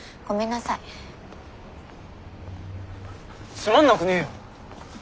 つまんなくねえよ。